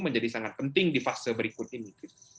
menjadi sangat penting di fase berikut ini